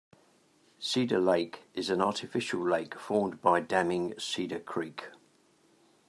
Cedar Lake is an artificial lake formed by damming Cedar Creek.